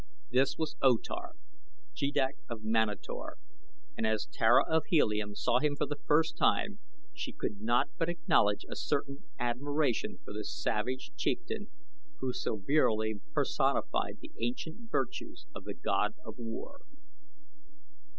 This was O Tar, Jeddak of Manator, and as Tara of Helium saw him for the first time she could not but acknowledge a certain admiration for this savage chieftain who so virilely personified the ancient virtues of the God of War.